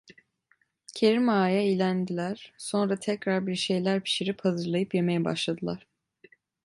Kerim Ağa'ya ilendiler, sonra tekrar bir şeyler pişirip, hazırlayıp yemeye başladılar.